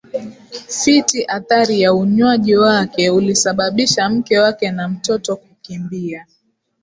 fiti Athari ya unywaji wake ulisababisha mke wake na mtoto kukimbia